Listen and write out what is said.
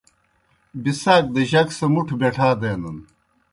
بِسَاک دہ جک سہ مُٹھہ بِٹھا دینَن۔